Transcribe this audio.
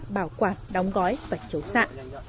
các bảo quản đóng gói và chấu xạ